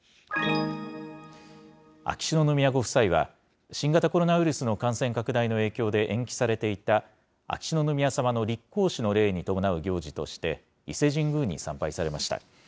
秋篠宮ご夫妻は、新型コロナウイルスの感染拡大の影響で延期されていた、秋篠宮さまの立皇嗣の礼に伴う行事として、伊勢神宮に参拝されました。